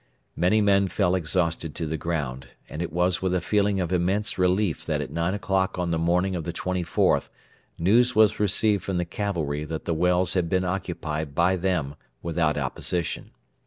Many men fell exhausted to the ground; and it was with a feeling of immense relief that at nine o'clock on the morning of the 24th news was received from the cavalry that the wells had been occupied by them without opposition.